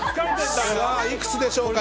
いくつでしょうか。